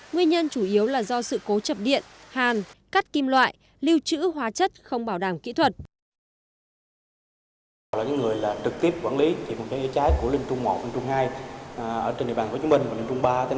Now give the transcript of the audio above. nguyên nhân chủ yếu là do sự cố chập điện hàn cắt kim loại lưu trữ hóa chất không bảo đảm kỹ thuật